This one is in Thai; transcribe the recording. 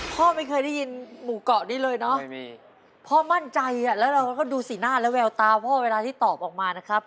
พ่อไม่เคยได้ยินหมู่เกาะนี้เลยเนอะพ่อมั่นใจอ่ะแล้วเราก็ดูสีหน้าและแววตาพ่อเวลาที่ตอบออกมานะครับ